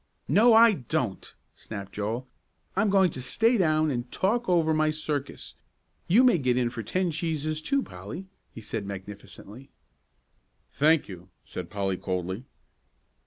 "No, I don't," snapped Joel. "I'm going to stay down and talk over my circus. You may get in for ten cheeses, too, Polly," he said magnificently. "Thank you," said Polly, coldly.